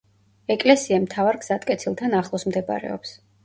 ეკლესია მთავარ გზატკეცილთან ახლოს მდებარეობს.